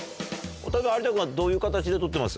例えば有田君はどういう形で取ってます？